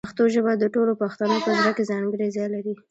پښتو ژبه د ټولو پښتنو په زړه کې ځانګړی ځای لري.